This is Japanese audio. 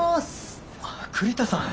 ああ栗田さん。